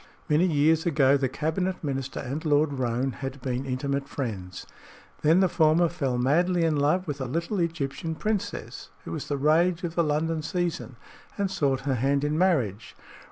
Many years ago the cabinet minister and Lord Roane had been intimate friends; then the former fell madly in love with a little Egyptian princess who was the rage of the London season, and sought her hand in marriage.